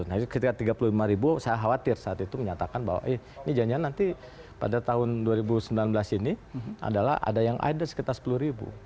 nah itu ketika tiga puluh lima ribu saya khawatir saat itu menyatakan bahwa eh ini janjian nanti pada tahun dua ribu sembilan belas ini adalah ada yang ada sekitar sepuluh ribu